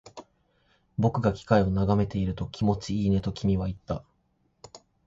僕が機械を眺めていると、気持ちいいねと君は言った